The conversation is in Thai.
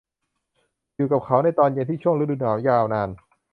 อยู่กับเขาในตอนเย็นที่ช่วงฤดูหนาวยาวนาน